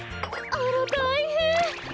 あらたいへん！